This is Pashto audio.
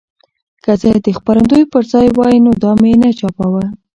که زه د خپرندوی په ځای وای نو دا مې نه چاپوه.